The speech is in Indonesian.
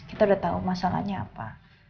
kita udah tahu masalahnya apa